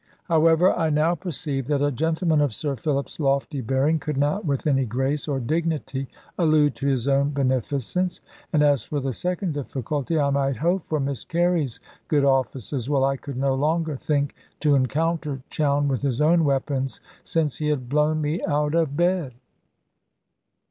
However, I now perceived that a gentleman of Sir Philip's lofty bearing could not with any grace or dignity allude to his own beneficence; and as for the second difficulty, I might hope for Miss Carey's good offices, while I could no longer think to encounter Chowne with his own weapons, since he had blown me out of bed.